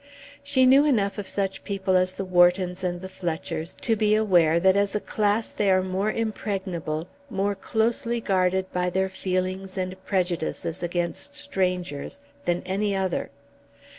She knew enough of such people as the Whartons and the Fletchers to be aware that as a class they are more impregnable, more closely guarded by their feelings and prejudices against strangers than any other.